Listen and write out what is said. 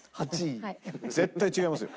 絶対違いますよ。